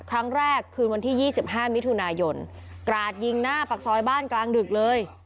ครั้งแรกคืนวันที่๒๕มิถุนายนกราดยิงหน้าปากซอยบ้านกลางดึกเลย